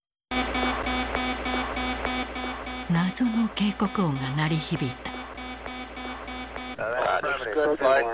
謎の警告音が鳴り響いた。